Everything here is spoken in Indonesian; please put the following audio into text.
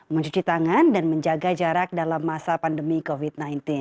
mencuci tangan dan menjaga jarak dalam masa pandemi covid sembilan belas